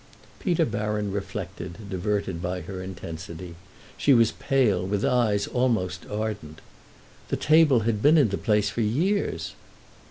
Peter Baron reflected, diverted by her intensity. She was pale, with eyes almost ardent. "The table had been in the place for years."